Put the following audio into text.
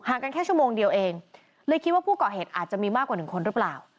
กันแค่ชั่วโมงเดียวเองเลยคิดว่าผู้ก่อเหตุอาจจะมีมากกว่าหนึ่งคนหรือเปล่า